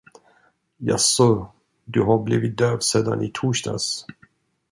Jaså, du har blivit döv sedan i torsdags?